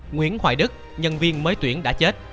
nguyễn hoài đức nhân viên mới tuyển đã chết